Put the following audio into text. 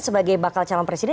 sebagai bakal calon presiden